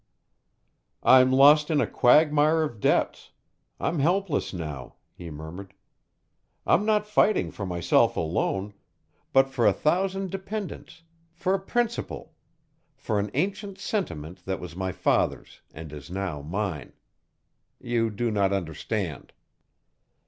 "I'm lost in a quagmire of debts I'm helpless now," he murmured. "I'm not fighting for myself alone, but for a thousand dependents for a principle for an ancient sentiment that was my father's and is now mine. You do not understand."